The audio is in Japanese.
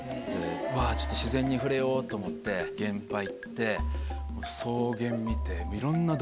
「うわぁちょっと自然に触れよう」と思って現場行って草原見て。